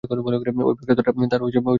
ঐ ব্যগ্রতাটা তার মনে লেগে রইল।